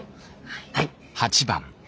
はい！